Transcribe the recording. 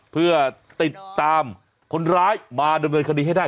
เพื่อติดตามคนร้ายมาดำเนินคดีให้ได้